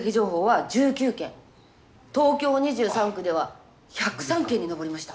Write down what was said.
東京２３区では１０３件に上りました。